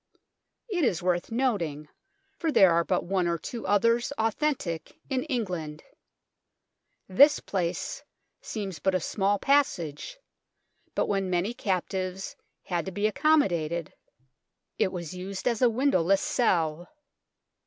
It is worth noting, for there are but one or two others authentic in England. This place seems but a small passage, but when many captives had to be accommodated it was used as a windowless BLOODY TOWER AND REGALIA 93 cell.